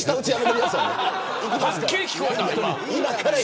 はっきり聞こえた。